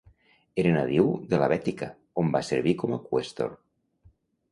Era nadiu de la Bètica on va servir com a qüestor.